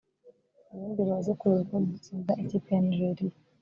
ubundi baze kureba uko dutsinda ikipe ya Nigeria